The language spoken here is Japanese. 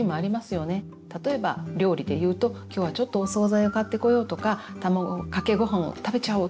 例えば料理でいうときょうはちょっとお総菜を買ってこようとか卵かけごはんを食べちゃおうとか。